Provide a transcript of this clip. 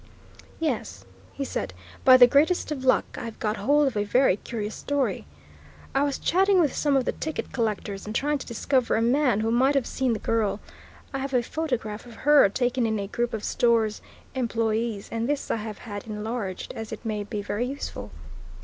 "Yes," he said, "by the greatest of luck I've got hold of a very curious story. I was chatting with some of the ticket collectors and trying to discover a man who might have seen the girl I have a photograph of her taken in a group of Stores employees, and this I have had enlarged, as it may be very useful."